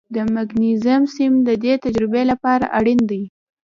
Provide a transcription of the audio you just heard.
د مګنیزیم سیم د دې تجربې لپاره اړین دی.